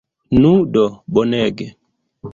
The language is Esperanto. Nu do, bonege!